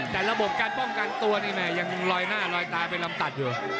แต่ระบบการป้องกันตัวนี่แม่ยังลอยหน้าลอยตาเป็นลำตัดอยู่